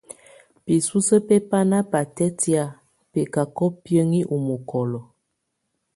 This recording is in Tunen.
Bisusə bɛ bana batɛtkia bɛcacɔ biəŋi ɔ mokolo.